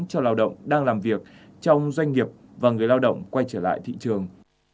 cho lao động đang làm việc trong doanh nghiệp và người lao động quay trở lại thị trường